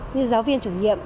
như giáo viên chủ nhiệm